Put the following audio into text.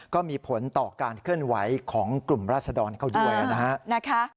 ก็มีผลต่อการเคลื่อนไหวของกลุ่มราศดรเขาด้วยนะฮะ